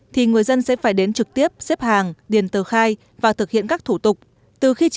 thì người dân sẽ phải đến trực tiếp xếp hàng điền tờ khai và thực hiện các thủ tục